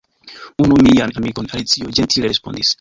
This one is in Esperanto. "Unu mian amikon," Alicio ĝentile respondis. "